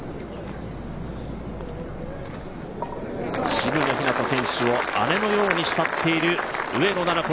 渋野日向子選手を姉のように慕っている上野菜々子。